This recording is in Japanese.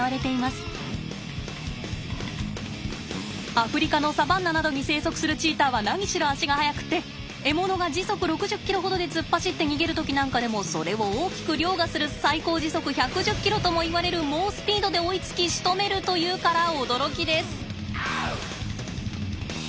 アフリカのサバンナなどに生息するチーターは何しろ足が速くって獲物が時速６０ｋｍほどで突っ走って逃げる時なんかでもそれを大きくりょうがする最高時速１１０ｋｍともいわれる猛スピードで追いつきしとめるというから驚きです。